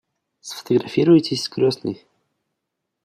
Сфотографируетесь с крестной?